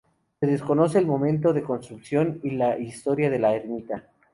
Se desconoce el momento de construcción y la historia de la ermita.